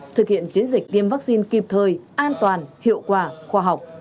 thực hiện chiến dịch tiêm vaccine kịp thời an toàn hiệu quả khoa học